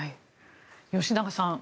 吉永さん